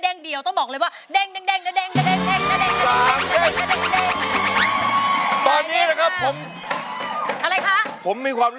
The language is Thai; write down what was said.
ร้องได้ให้ร้าน